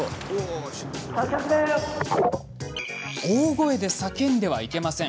大声で助けを呼んではいけません。